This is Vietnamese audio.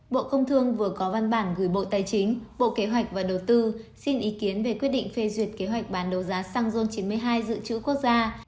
bộ công thương vừa có văn bản gửi bộ tài chính bộ kế hoạch và đầu tư xin ý kiến về quyết định phê duyệt kế hoạch bán đấu giá xăng rôn chín mươi hai dự trữ quốc gia